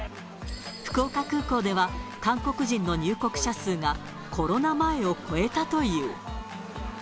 福岡空港では、韓国人の入国者数が、コロナ前を超えたという。